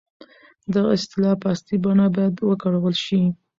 دغه اصطلاح په اصلي بڼه بايد وکارول شي.